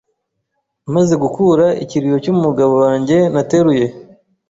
maze gukura ikiriyo cy’umugabo wanjye nateruye